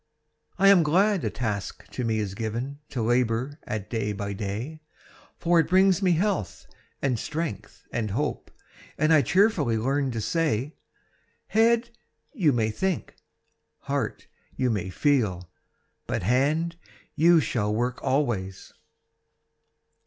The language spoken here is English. I am glad a task to me is given To labor at day by day; For it brings me health, and strength, and hope, And I cheerfully learn to say 'Head, you may think; heart, you may feel; But hand, you shall work always!'